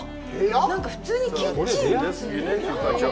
なんか普通にキッチン。